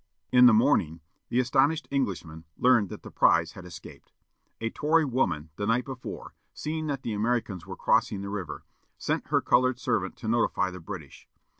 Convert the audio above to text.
In the morning, the astonished Englishmen learned that the prize had escaped. A Tory woman, the night before, seeing that the Americans were crossing the river, sent her colored servant to notify the British.